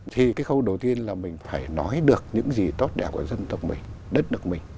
thì cái khâu đầu tiên là mình phải nói được những gì tốt đẹp của dân tộc mình đất nước mình